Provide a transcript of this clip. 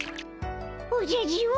おじゃじわ！